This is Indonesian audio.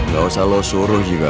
gak usah lo suruh juga